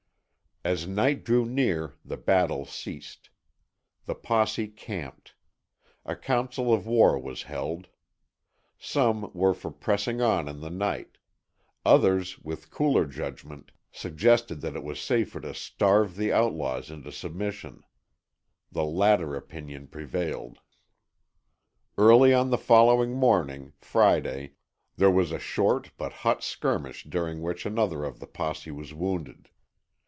As night drew near the battle ceased. The posse camped. A council of war was held. Some were for pressing on in the night. Others, with cooler judgment, suggested that it was safer to starve the outlaws into submission. The latter opinion prevailed. Early on the following morning (Friday), there was a short but hot skirmish during which another of the posse was wounded.